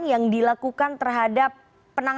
yang dilakukan terhadap